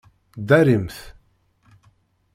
Ddarimt!